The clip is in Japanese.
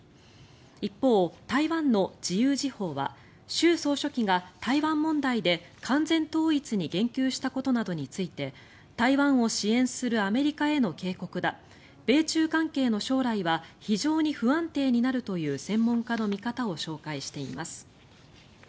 一方、台湾の自由時報は習総書記が台湾問題で完全統一に言及したことなどについて台湾を支援するアメリカへの警告だ米中関係の将来は非常に不安定になるという専門家の見方を紹介しています。